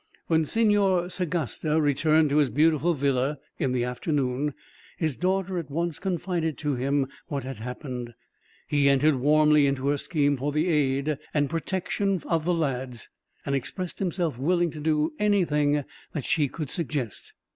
When Senor Sagasta returned to his beautiful villa, in the afternoon, his daughter at once confided to him what had happened. He entered warmly into her scheme for the aid and protection of the lads, and expressed himself willing to do anything that she could suggest.